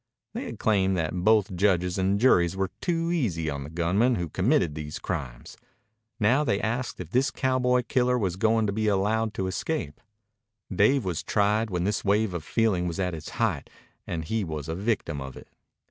They had claimed that both judges and juries were too easy on the gunmen who committed these crimes. Now they asked if this cowboy killer was going to be allowed to escape. Dave was tried when this wave of feeling was at its height and he was a victim of it.